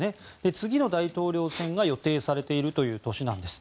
次の大統領選が予定されているという年なんです。